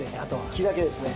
気だけですね。